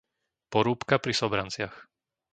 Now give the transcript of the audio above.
Porúbka pri Sobranciach